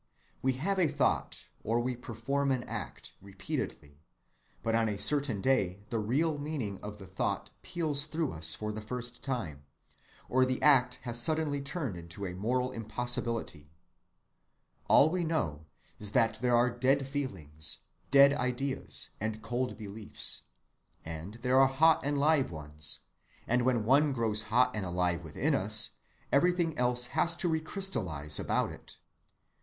We have a thought, or we perform an act, repeatedly, but on a certain day the real meaning of the thought peals through us for the first time, or the act has suddenly turned into a moral impossibility. All we know is that there are dead feelings, dead ideas, and cold beliefs, and there are hot and live ones; and when one grows hot and alive within us, everything has to re‐ crystallize about it.